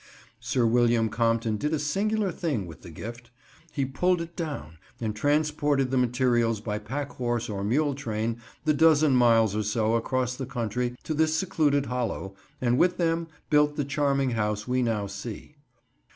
Sir William Compton did a singular thing with the gift. He pulled it down and transported the materials by packhorse or mule train the dozen miles or so across country to this secluded hollow, and with them built the charming house we now see.